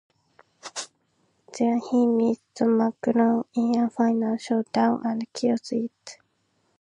There he meets the Makron in a final showdown and kills it.